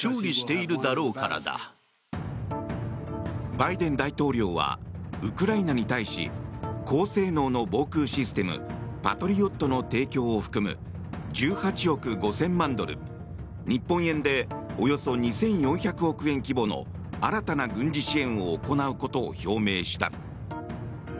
バイデン大統領はウクライナに対し高性能の防空システムパトリオットの提供を含む１８億５０００万ドル日本円でおよそ２４００億円規模の新たな軍事支援を行うことを表明した。